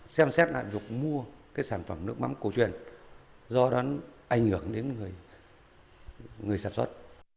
xem xét lại vụ mua sản phẩm nước mắm cổ truyền do đó anh ưởng đến người sản xuất